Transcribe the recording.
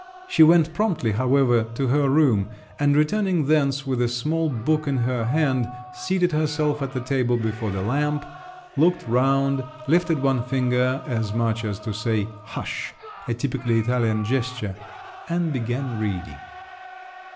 She went promptly, however, to her room, and returning thence with a small book in her hand, seated herself at the table before the lamp, looked round, lifted one finger as much as to say, "hush!"—a typically Italian gesture—and began reading.